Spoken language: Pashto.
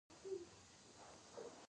ټولنه په بادارانو او مرئیانو وویشل شوه.